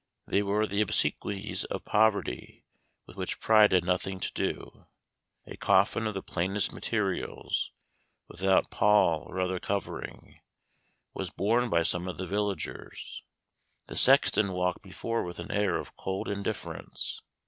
They were the obsequies of poverty, with which pride had nothing to do. A coffin of the plainest materials, without pall or other covering, was borne by some of the villagers. The sexton walked before with an air of cold indifference.